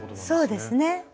そうですね。